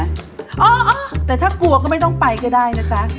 เออแต่ถ้ากลัวก็ไม่ต้องไปก็ได้นะจ๊ะ